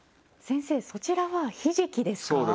先生そちらはひじきですか？